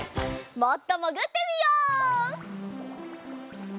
もっともぐってみよう！